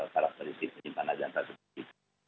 para faktor dari data tersebut